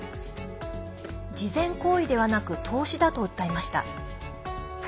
慈善行為ではなく投資だと訴えました。